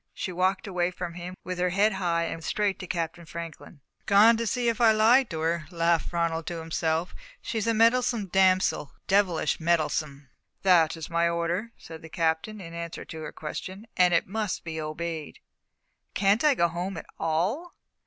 She walked away from him with her head high, and went straight to Captain Franklin. "Gone to see if I lied to her," laughed Ronald to himself. "She's a mettlesome damsel devilish mettlesome." "That is my order," said the Captain, in answer to her question, "and it must be obeyed." "Can't I go home at all?"